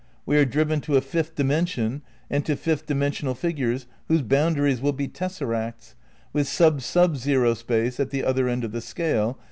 "We are driven to a fifth dimension and to fifth dimensional figures whose boundaries will be tessaracts, with sub sub zero space at the other end of the scale.